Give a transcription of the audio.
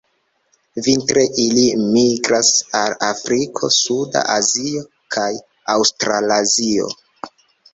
Vintre ili migras al Afriko, suda Azio kaj Aŭstralazio.